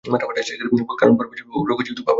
কারণ পরের বছর মার্চে রঘুজী আবার বাংলা আক্রমণ করেন।